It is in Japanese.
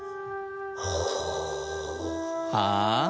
はあ？